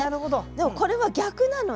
でもこれは逆なのね。